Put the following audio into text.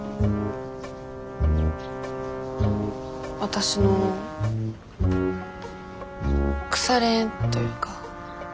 わたしの腐れ縁というか。